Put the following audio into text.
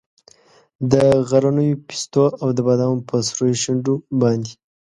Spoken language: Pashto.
د غرنیو پیستو او د بادامو په سرو شونډو باندې